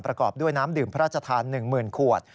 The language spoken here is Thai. ประกอบด้วยน้ำดื่มพระราชทาน๑๐๐๐ขวด